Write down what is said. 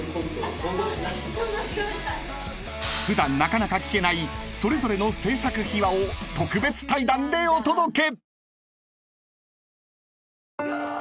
［普段なかなか聞けないそれぞれの制作秘話を特別対談でお届け！］